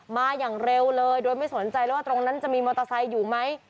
มาอย่างเร็วเลยโดยไม่สนใจเลยว่าตรงนั้นจะมีมอเตอร์ไซค์อยู่ไหม